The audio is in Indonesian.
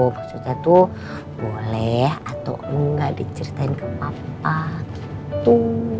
maksudnya tuh boleh atau enggak diceritain ke papa gitu